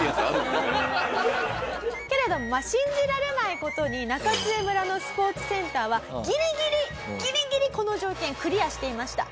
けれども信じられない事に中津江村のスポーツセンターはギリギリギリギリこの条件クリアしていました。